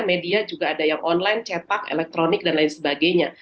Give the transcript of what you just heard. media juga ada yang online cetak elektronik dan lain sebagainya